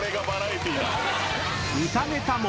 ［歌ネタも］